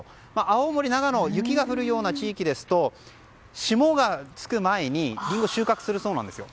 青森、長野と雪が降るような地域ですと霜がつく前にリンゴを収穫するそうなんですよ。